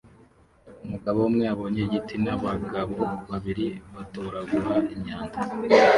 Umugabo umwe abonye igiti n'abagabo babiri batoragura imyanda